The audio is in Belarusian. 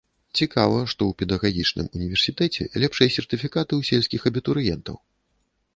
Цікава, што ў педагагічным універсітэце лепшыя сертыфікаты ў сельскіх абітурыентаў.